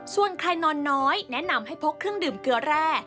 ส่วนใครนอนน้อยแนะนำให้พกเครื่องดื่มเกลือแร่